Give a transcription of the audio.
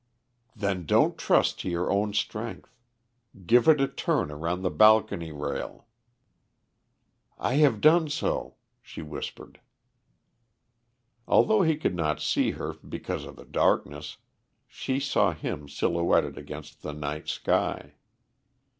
"Then don't trust to your own strength. Give it a turn around the balcony rail." "I have done so," she whispered. Although he could not see her because of the darkness, she saw him silhouetted against the night sky.